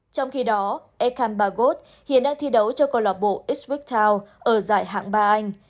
trong khi đó ekambagot hiện đang thi đấu cho cơ lọc bộ eastwick town ở giải hạng ba anh